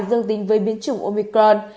dương tính với biến chủng omicron